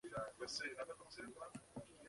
De hecho, este es un caso de menos es más.